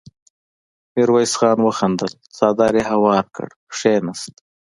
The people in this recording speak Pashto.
ميرويس خان وخندل، څادر يې هوار کړ، کېناست.